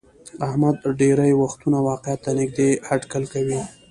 احمد ډېری وختونه واقعیت ته نیږدې هټکل کوي.